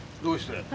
どうして？